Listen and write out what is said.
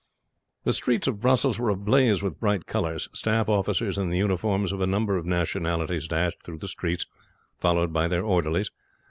The streets of Brussels were ablaze with bright colors. Staff officers in the uniforms of a number of nationalities dashed through the streets, followed by their orderlies.